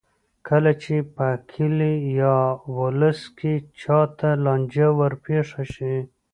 کله چې په کلي یا ولس کې چا ته لانجه ورپېښه شي.